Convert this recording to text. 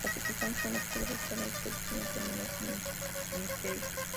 Las circunstancias en las que se realizó la expedición permanecen en misterio.